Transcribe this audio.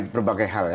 berbagai hal ya